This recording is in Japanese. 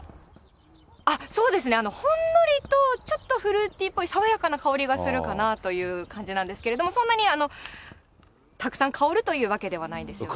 あっ、そうですね、ほんのりと、ちょっとフルーティーっぽい爽やかな香りはするかなという感じなんですけれども、そんなにたくさん香るというわけではないんですよね。